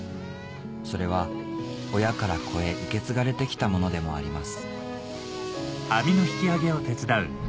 それは親から子へ受け継がれてきたものでもあります